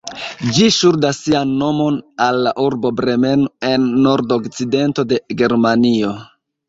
Ĝi ŝuldas sian nomon al la urbo Bremeno en nordokcidento de Germanio.